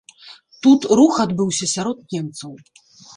Тут рух адбыўся сярод немцаў.